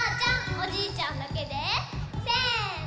おじいちゃんだけでせの！